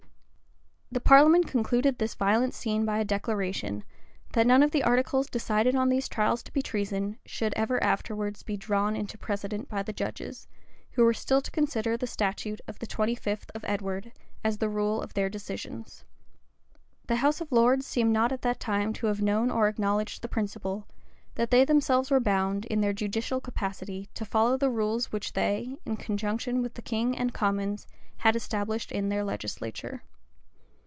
The parliament concluded this violent scene by a declaration, that none of the articles decided on these trials to be treason, should ever afterwards be drawn into precedent by the judges, who were still to consider the statute of the twenty fifth of Edward as the rule of their decisions. The house of lords seem not at that time to have known or acknowledged the principle, that they themselves were bound, in their judicial capacity, to follow the rules which they, in conjunction with the king and commons, had established in their legislature.